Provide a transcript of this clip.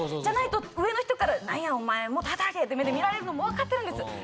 じゃないと上の人から「何やお前もっと働け」って目で見られるのも分かってるんです。